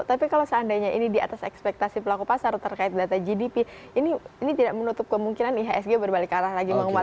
tapi kalau seandainya ini di atas ekspektasi pelaku pasar terkait data gdp ini tidak menutup kemungkinan ihsg berbalik arah lagi menguat